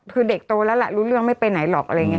คือเด็กโตแล้วล่ะรู้เรื่องไม่ไปไหนหรอก